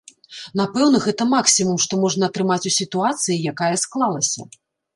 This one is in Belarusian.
Напэўна, гэта максімум, што можна атрымаць у сітуацыі, якая склалася.